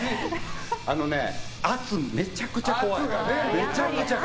あのね、圧がめちゃくちゃ怖い。